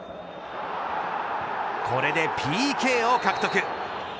これでＰＫを獲得。